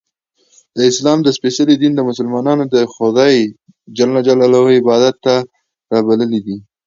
د اسلام څپېڅلي دین ملسلمانان د یوه خدایﷻ عبادت ته رابللي